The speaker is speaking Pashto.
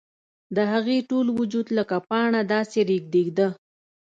د هغې ټول وجود لکه پاڼه داسې رېږدېده